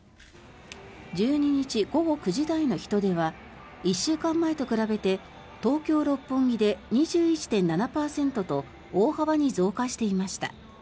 １２日午後９時台の人出は１週間前と比べて東京・六本木で２１．７％と大幅に増加していました。